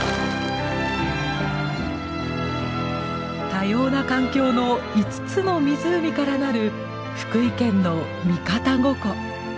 多様な環境の５つの湖からなる福井県の三方五湖。